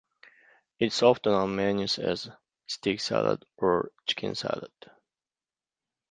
It is often on menus as "steak salad" or "chicken salad".